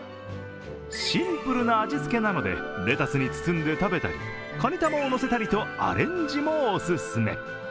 シンプルな味付けなのでレタスに包んで食べたりかに玉をのせたりとアレンジもオススメ。